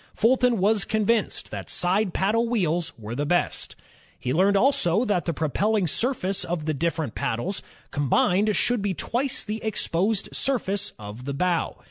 Fulton was convinced that side paddle wheels were the best. He learned also that the propelling surface of the different paddles combined should be twice the exposed surface of the bow.